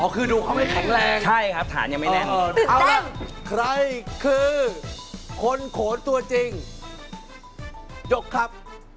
อ๋อคือดูเขาไม่แข็งแรงตื่นเต้นคือคนโขดตัวจริงยกครับ